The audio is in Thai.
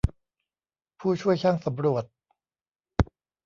ผู้ช่วยช่างสำรวจ